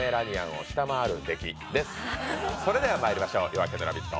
それではまいりましょう、「夜明けのラヴィット！」